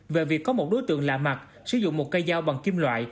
về việc có một đối tượng lạ mặt sử dụng một cây dao bằng kim loại